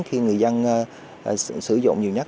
khi người dân sử dụng nhiều nhất